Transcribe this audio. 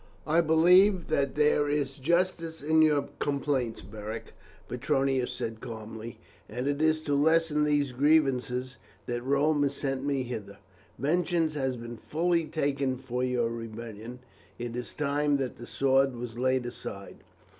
"I believe that there is justice in your complaints, Beric," Petronius said calmly, "and it is to lessen these grievances that Rome has sent me hither. Vengeance has been fully taken for your rebellion, it is time that the sword was laid aside.